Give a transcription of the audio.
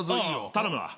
頼むわ。